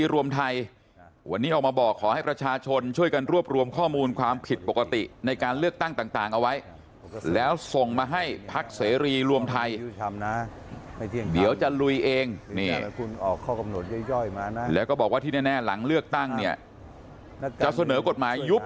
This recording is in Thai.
รุบกอกกะตอจังหวัดเลยนะครับโอ้โหไปขนาดนั้นแล้วหรอครับ